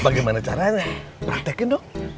bagaimana caranya pratikin dong